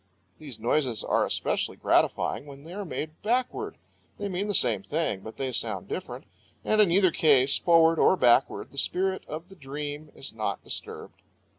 These noises are especially gratifying when they are made backward. They mean the same things, but they sound different. And in either case, forward or backward, the spirit of the dream is not disturbed.